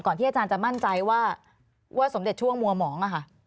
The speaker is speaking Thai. ก่อนที่อาจารย์จะมั่นใจว่าสมเด็จช่วงมัวหมอง